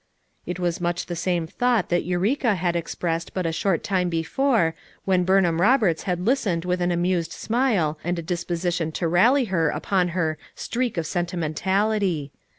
It was much the same thought that Eureka had expressed but a short time before, when Burnham Roberts had listened with an amused smile and a disposition to rally her upon her "streak of sentimentality."